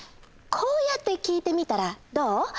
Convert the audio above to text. こうやって聞いてみたらどう？